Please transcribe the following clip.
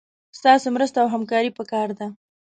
ستاسي مرسته او همکاري پکار ده